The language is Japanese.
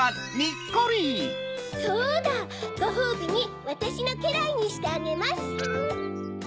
そうだ！ごほうびにわたしのけらいにしてあげます！